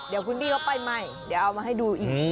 เดี๋ยวคุณพี่เขาไปใหม่เดี๋ยวเอามาให้ดูอีก